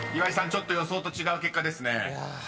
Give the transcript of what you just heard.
ちょっと予想と違う結果ですね］